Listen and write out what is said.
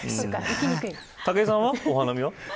武井さんは、お花見は。